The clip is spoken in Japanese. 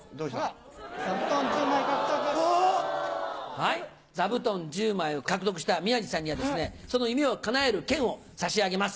はい座布団１０枚を獲得した宮治さんにはですねその夢を叶える券を差し上げます。